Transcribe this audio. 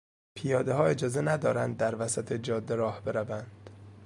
پیادهها اجازه ندارند در وسط جاده راه بروند.